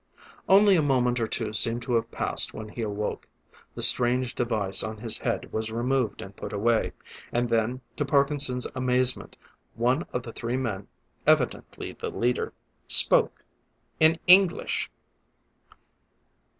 Only a moment or two seemed to have passed when he awoke. The strange device on his head was removed and put away; and then, to Parkinson's amazement, one of the three men, evidently the leader, spoke in English!